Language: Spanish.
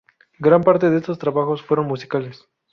Gran parte de estos trabajos fueron musicales.